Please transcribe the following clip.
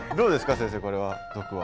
先生これは毒は？